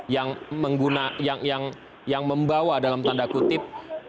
yang membawa dalam tanda kutip